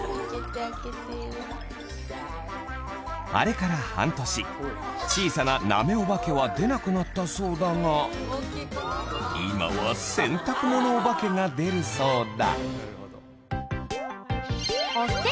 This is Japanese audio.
あれから小さななめオバケは出なくなったそうだが今は洗濯物オバケが出るそうだ